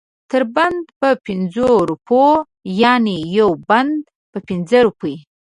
تر بنده په پنځو روپو یعنې یو بند په پنځه روپۍ.